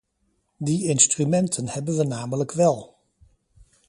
De instrumenten hebben we namelijk wel.